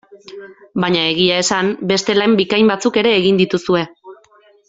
Baina egia esan, beste lan bikain batzuk ere egin dituzue.